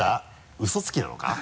ウソつきなのか？